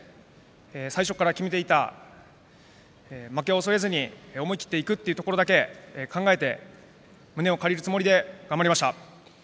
最初から決めていた負けを恐れずに思い切って行くというところだけ考えて胸を借りるつもりで頑張りました。